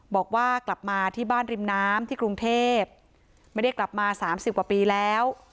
บอกว่ากลับมาที่บ้านริมน้ำที่กรุงเทพไม่ได้กลับมา๓๐กว่าปีแล้ว